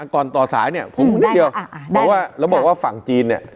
ก่อนต่อสายเนี่ยผมนิดเดียวบอกว่าเราบอกว่าฝั่งจีนเนี่ย